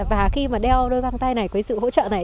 và khi mà đeo đôi băng tay này cái sự hỗ trợ này